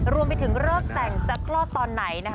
รวมไปถึงเริ่มแต่งจะตลอดตอนไหน